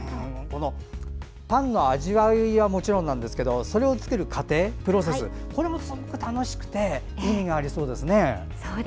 パンの味わいはもちろんなんですけどそれを作る過程、プロセスそれもすごく楽しくて意味がありそうですね。